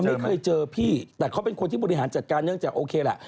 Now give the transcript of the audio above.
ไม่เคยเจอพี่แต่เขาเป็นคนที่บริหารจัดการเนื่องจากโอเคแหละ